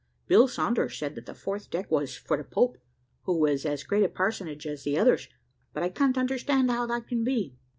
Bill Saunders said that the fourth deck was for the Pope, who was as great a parsonage as the others: but I can't understand how that can be.